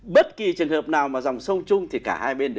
bất kỳ trường hợp nào mà dòng sông chung thì cả hai bên